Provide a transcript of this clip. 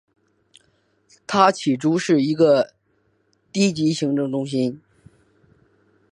它起初是一个低级行政中心。